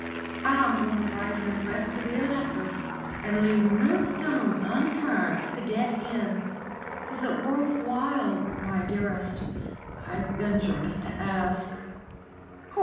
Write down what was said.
I'm going to write an address to the electors, and leave no stone unturned to get in." "Is it worth while, my dearest?" I ventured to ask.